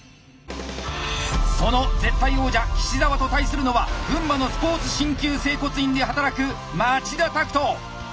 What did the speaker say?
その絶対王者岸澤と対するのは群馬のスポーツしんきゅう整骨院で働く町田拓人。